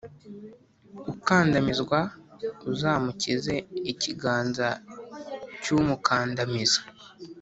Ukandamizwa, uzamukize ikiganza cy’umukandamiza,